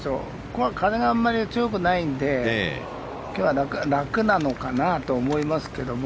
ここは風があまり強くないので今日は楽なのかなと思いますけども。